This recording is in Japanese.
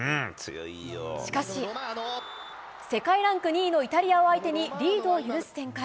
しかし、世界ランク２位のイタリアを相手に、リードを許す展開。